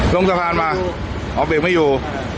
ลงสะพานมาลงสะพานมาออกเบรกไม่อยู่